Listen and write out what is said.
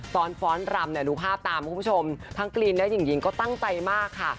ฟ้อนรำเนี่ยดูภาพตามคุณผู้ชมทั้งกรีนและหญิงก็ตั้งใจมากค่ะ